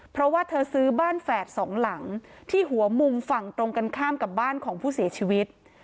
เพราะว่าเธอซื้อบ้านแฝดสองหลังที่หัวมุมฝั่งตรงกันข้ามกับบ้านของผู้เสียชีวิต